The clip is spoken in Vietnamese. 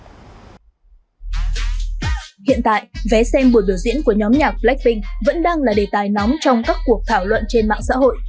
hiện tại vé xem buổi biểu diễn của nhóm nhạc blackpink vẫn đang là đề tài nóng trong các cuộc thảo luận trên mạng xã hội